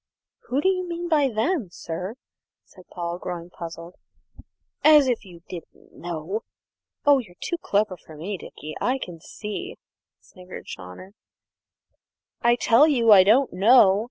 "Who do you mean by them, sir?" said Paul, growing puzzled. "As if you didn't know! Oh, you're too clever for me, Dickie, I can see," sniggered Chawner. "I tell you I don't know!"